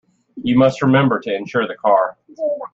You must remember to insure the car.